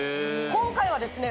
今回はですね